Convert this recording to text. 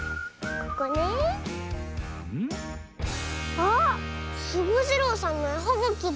あっスゴジロウさんのえはがきだ。